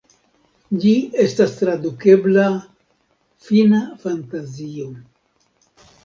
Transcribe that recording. Ĝi estas tradukebla "Fina Fantazio".